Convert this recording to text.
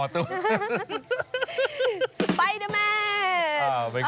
สปไตเดอร์แมน